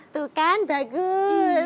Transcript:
tuh kan bagus